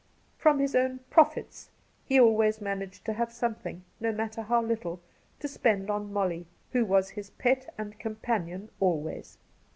Cassidy 167 From his own ' profits ' he always managed to have something — ^no matter how little — to spend on Molly, who was his pet and companion always.